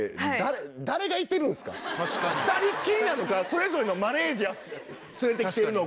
２人っきりなのかそれぞれのマネジャーつれてきてるのか。